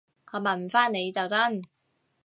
我問返你就真